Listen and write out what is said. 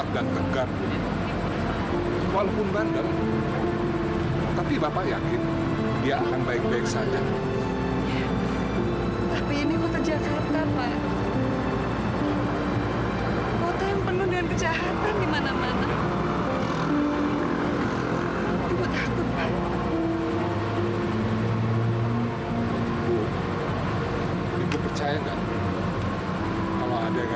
sampai jumpa di video selanjutnya